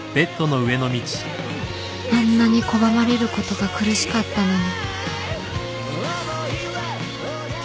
あんなに拒まれることが苦しかったのに